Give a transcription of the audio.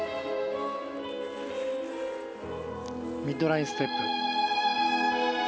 ミッドラインステップ。